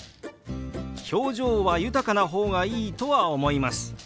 表情は豊かな方がいいとは思います。